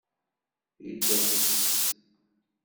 Yedduqqes.